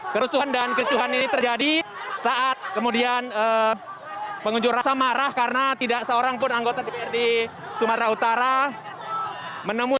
kerusuhan dan kericuhan ini terjadi saat kemudian pengunjuk rasa marah karena tidak seorang pun anggota dprd sumatera utara menemukan